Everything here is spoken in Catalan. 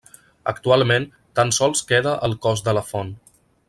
Actualment tan sols queda el cos de la font.